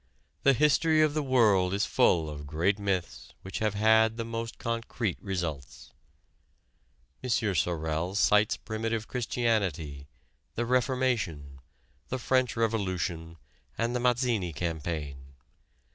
The history of the world is full of great myths which have had the most concrete results. M. Sorel cites primitive Christianity, the Reformation, the French Revolution and the Mazzini campaign.